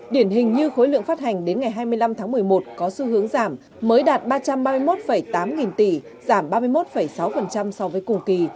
điển hình như khối lượng phát hành đến ngày hai mươi năm tháng một mươi một có xu hướng giảm mới đạt ba trăm ba mươi một tám nghìn tỷ giảm ba mươi một sáu so với cùng kỳ